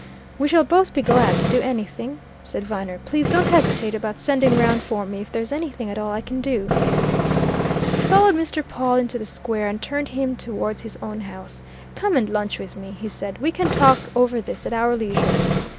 "We shall both be glad to do anything," said Viner. "Please don't hesitate about sending round for me if there's anything at all I can do." He followed Mr. Pawle into the square, and turned him towards his own house. "Come and lunch with me," he said. "We can talk over this at our leisure."